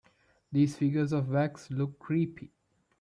These figures of wax look creepy.